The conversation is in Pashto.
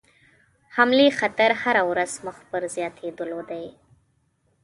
حملې خطر هره ورځ مخ پر زیاتېدلو دی.